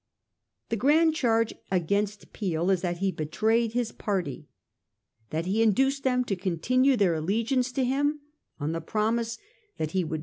The grand charge against Peel is that he betrayed his: party ; that he induced them to continue their alle giance to him on the promise that he would never 1841—0.